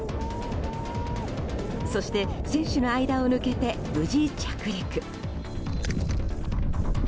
そして選手の間を抜けて無事、着陸。